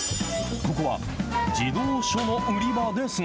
ここは、児童書の売り場ですが。